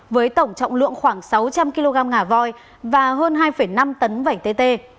với tổng trọng lượng khoảng sáu trăm linh kg ngà voi và hơn hai năm tấn vẩy tê tê